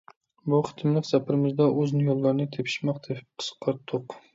بۇ قېتىملىق سەپىرىمىزدە ئۇزۇن يوللارنى تېپىشماق تېپىپ قىسقارتتۇق.